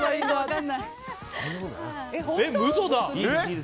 嘘だ！